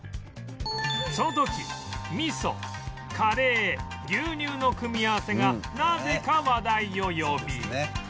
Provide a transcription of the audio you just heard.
その時味噌カレー牛乳の組み合わせがなぜか話題を呼び